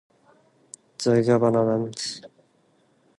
The governor and lieutenant governor are not elected on the same ticket.